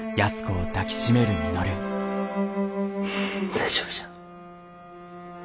大丈夫じゃ。